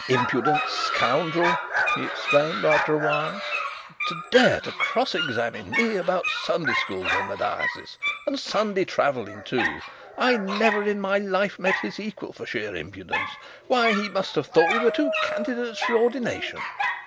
'Impudent scoundrel!' he exclaimed after a while. 'To dare to cross examine me about Sunday schools in the diocese, and Sunday travelling too: I never in my life met his equal for sheer impudence. Why, he must have thought we were two candidates for ordination.'